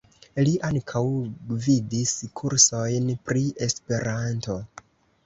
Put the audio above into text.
Li ankaŭ gvidis kursojn pri Esperanto.